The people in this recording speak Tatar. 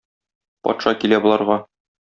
Патша килә боларга.